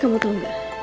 kamu tau gak